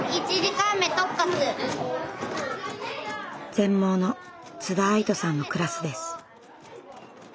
全盲の津田愛土さんのクラスです。